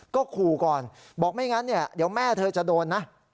ก็ขู่ก่อนบอกไม่งั้นเนี่ยเดี๋ยวแม่เธอจะโดนนะ